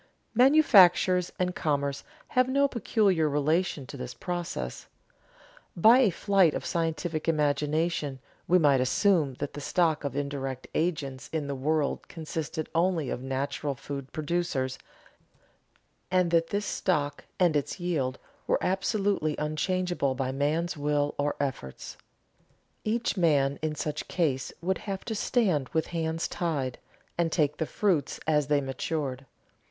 Manufactures and commerce have no peculiar relation to this process. By a flight of scientific imagination we might assume that the stock of indirect agents in the world consisted only of natural food producers, and that this stock and its yield were absolutely unchangeable by man's will or efforts. Each man in such case would have to stand with hands tied, and take the fruits as they matured.